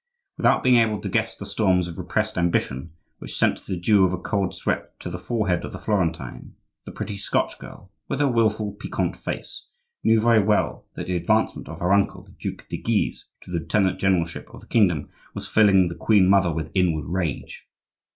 Without being able to guess the storms of repressed ambition which sent the dew of a cold sweat to the forehead of the Florentine, the pretty Scotch girl, with her wilful, piquant face, knew very well that the advancement of her uncle the Duc de Guise to the lieutenant generalship of the kingdom was filling the queen mother with inward rage.